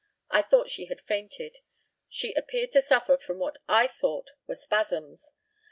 I thought she had fainted. She appeared to suffer from what I thought were spasms.